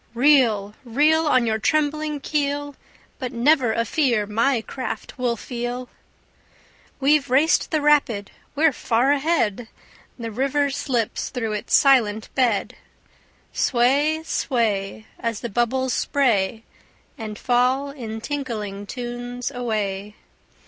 Reel, reel. On your trembling keel, But never a fear my craft will feel. We've raced the rapid, we're far ahead! The river slips through its silent bed. Sway, sway, As the bubbles spray And fall in tinkling tunes away.